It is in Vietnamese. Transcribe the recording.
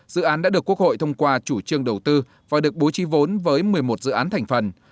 dự án đã được quốc hội thông qua chủ trương đầu tư và được bố trí vốn với một mươi một dự án thành phần